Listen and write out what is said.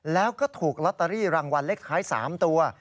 แล้วก็ถูกลอตเตอรี่รางวัลเลขท้าย๓ตัว